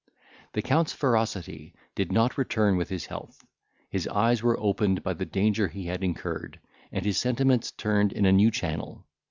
The Count's ferocity did not return with his health. His eyes were opened by the danger he had incurred, and his sentiments turned in a new channel.